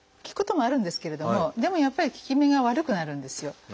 効くこともあるんですけれどもでもやっぱり効き目が悪くなるんですよ。